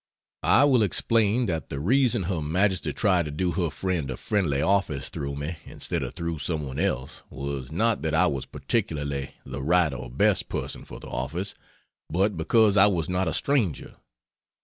I will explain that the reason her Majesty tried to do her friend a friendly office through me instead of through someone else was, not that I was particularly the right or best person for the office, but because I was not a stranger.